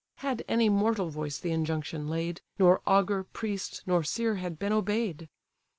Had any mortal voice the injunction laid, Nor augur, priest, nor seer, had been obey'd.